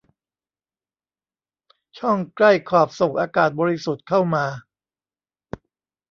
ช่องใกล้ขอบส่งอากาศบริสุทธิ์เข้ามา